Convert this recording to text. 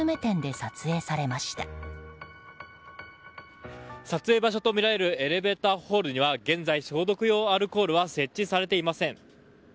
撮影場所とみられるエレベーターホールには現在、消毒用アルコールは設置されていません。